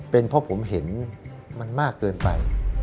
เป็นเพราะผมเห็นมันมากเกินไป